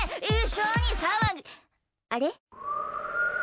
あれ？